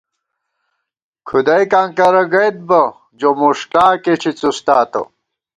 کھُدَئیکاں کرہ گئیت بہ، جو مݭٹاکےݪی څُستاتہ